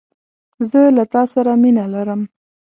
زه له تا سره مینه لرم